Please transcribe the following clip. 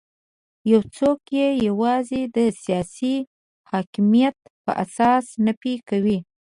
یو څوک یې یوازې د سیاسي حاکمیت په اساس نفي کوي.